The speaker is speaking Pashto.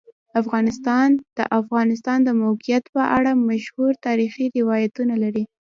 افغانستان د د افغانستان د موقعیت په اړه مشهور تاریخی روایتونه لري.